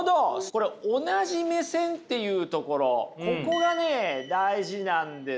これ同じ目線っていうところここがね大事なんですよね。